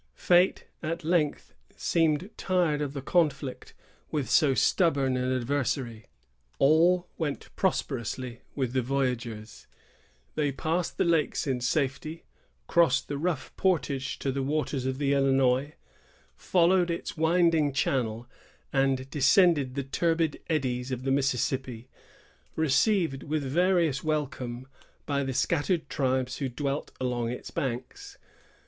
Fate at length seemed tired of the conflict with so stubborn an adversary. All went prosperously with the voyagers. They passed the lakes in safety, crossed the rough portage to the waters of the Illinois, followed its winding channel, and descended the turbid eddies of the Mississippi, received with various welcome by the scattered tribes who dwelt along its banks.